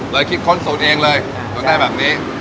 คิดค้นสูตรเองเลยจนได้แบบนี้